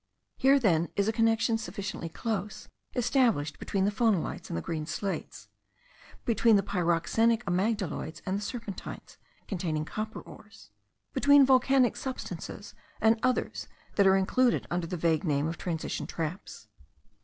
Here, then, is a connexion sufficiently close established between the phonolites and the green slates, between the pyroxenic amygdaloids and the serpentines containing copper ores, between volcanic substances and others that are included under the vague name of transition traps.